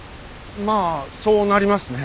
まあそうなりますね。